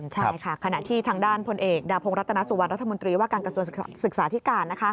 ใช่ค่ะขณะที่ทางด้านพลเอกดาพงศ์รัตนสุวรรณรัฐมนตรีว่าการกระทรวงศึกษาธิการ